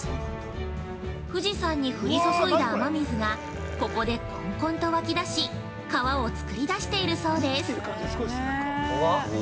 富士山に降り注いだ雨水がここでこんこんと湧き出し川を作り出しているそうです。